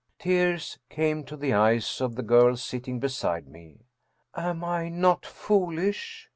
Tears came to the eyes of the girl sitting beside me. " Am I not foolish